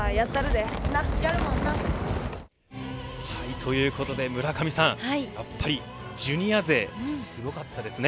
ということで村上さん。やっぱりジュニア勢すごかったですね。